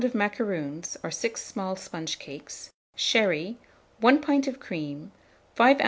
of macaroons or 6 small sponge cakes, sherry, 1 pint of cream, 5 oz.